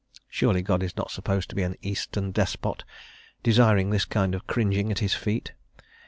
Surely God is not supposed to be an Eastern despot, desiring this kind of cringing at his feet.